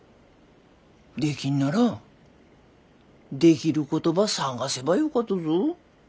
できんならできることば探せばよかとぞ。